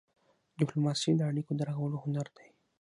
ډيپلوماسي د اړیکو د رغولو هنر دی.